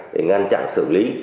để ngăn chặn xử lý